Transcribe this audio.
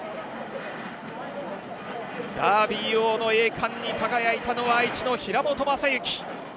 ダービー王の栄冠に輝いたのは愛知の平本真之。